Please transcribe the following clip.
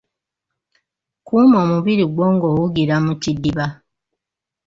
Kuuma omubiri gwo ng’owugira mu kidiba.